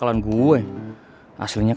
aslinya kan gue mau nemuin pacar yang lagi ngambek